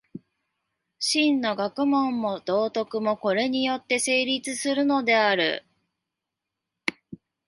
真の学問も道徳も、これによって成立するのである。